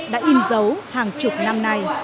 đã im giấu hàng chục năm